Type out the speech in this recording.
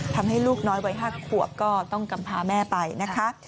ทำให้ลูกน้อยวัย๕ขวบก็ต้องกำพาแม่ไปนะคะ